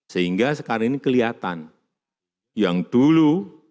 sehingga sekarang ini kelihatan yang dulu